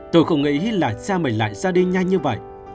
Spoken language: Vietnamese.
tôi không nghĩ là xe mình lại ra đi nhanh như vậy